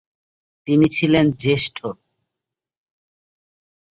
তিনি ছিলেন জ্যেষ্ঠ।